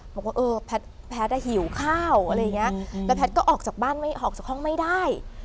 บอกว่าเออแพทย์หิวข้าวอะไรอย่างนี้แล้วแพทย์ก็ออกจากบ้านไม่ออกจากห้องไม่ได้